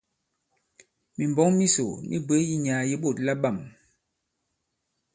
Mìmbɔ̌k misò mi bwě yi nyàà yi ɓôt labâm.